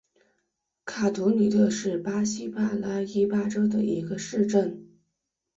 卡图里特是巴西帕拉伊巴州的一个市镇。